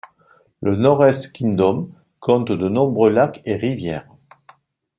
Le Northeast Kingdom compte de nombreux lacs et rivières.